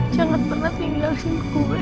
jangan pernah tinggalkan gue